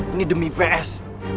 ini demi ips